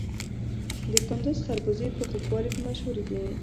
د کندز خربوزې په خوږوالي کې مشهورې دي.